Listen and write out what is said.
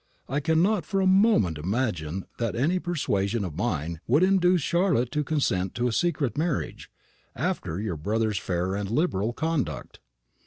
I cannot for a moment imagine that any persuasion of mine would induce Charlotte to consent to a secret marriage, after your brother's fair and liberal conduct."